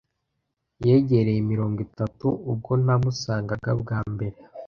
Yegereye mirongo itatu ubwo namusangaga bwa mbere.